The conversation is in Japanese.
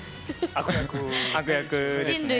悪役ですね。